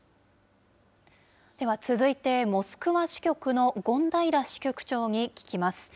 では続いて、モスクワ支局の権平支局長に聞きます。